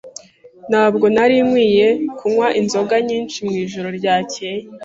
Ntabwo nari nkwiye kunywa inzoga nyinshi mwijoro ryakeye.